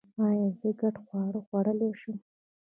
ایا زه ګډ خواړه خوړلی شم؟